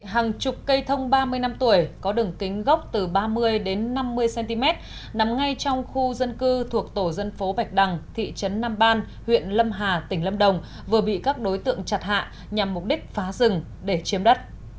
hàng chục cây thông ba mươi năm tuổi có đường kính gốc từ ba mươi năm mươi cm nằm ngay trong khu dân cư thuộc tổ dân phố bạch đằng thị trấn nam ban huyện lâm hà tỉnh lâm đồng vừa bị các đối tượng chặt hạ nhằm mục đích phá rừng để chiếm đất